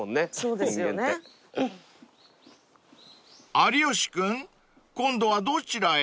［有吉君今度はどちらへ？］